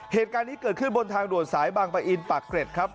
เหตุการณ์นี้เกิดขึ้นบนทางด่วนสายบางปะอินปากเกร็ดครับ